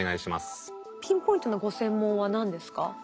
ピンポイントのご専門は何ですか？